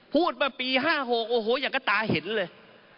พูดมาปี๕๖โอ้โหอย่างกระตาเห็นเลย